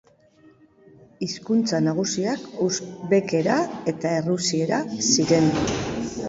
Hizkuntza nagusiak uzbekera eta errusiera ziren.